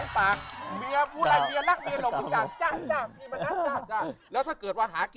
ไปสีปากเมียวุลัย